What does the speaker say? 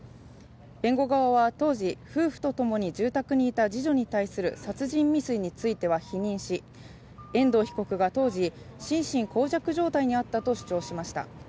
弁護側は当時、夫婦とともに住宅にいた次女に対する殺人未遂については否認し遠藤被告が当時、心神耗弱状態にあったと主張しました。